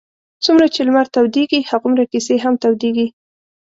څومره چې لمر تودېږي هغومره کیسې هم تودېږي.